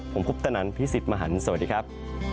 ผมคุปตนันพี่สิทธิ์มหันฯสวัสดีครับ